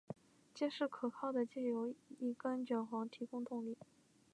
结实可靠的藉由一根卷簧提供动力。